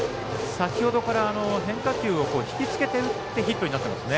先ほどから変化球を引き付けて打ってヒットになってますね。